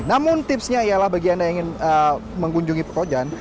namun tipsnya ialah bagi anda yang ingin mengunjungi pekojan